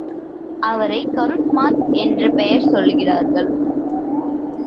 அவரை கருட் மாத் என்றும் பெயர் சொல்லுகிறார்கள்.